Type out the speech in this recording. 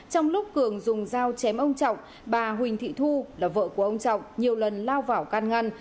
trong lúc cường dùng dao chém ông trọng bà huỳnh thị thu là vợ của ông trọng nhiều lần lao vào can ngăn